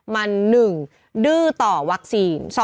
มัน๑ดื้อต่อวัคซีน